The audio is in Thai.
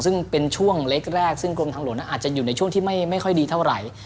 ซึ่งเป็นช่วงเล็กแรกซึ่งกรมทางหลวงอาจจะอยู่ในช่วงที่ไม่ค่อยดีเท่าไหร่